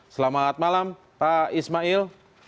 selamat malam pak ismail